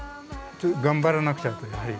頑張らなくちゃという。